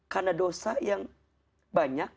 karena dosa yang banyak